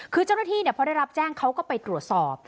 คือเจ้าหน้าที่พอได้รับแจ้งเขาก็ไปตรวจสอบ